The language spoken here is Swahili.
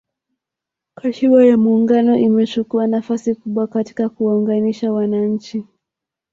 Katiba ya Muungano imechukuwa nafasi kubwa katika kuwaunganisha wananchi